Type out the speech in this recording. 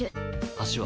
足は？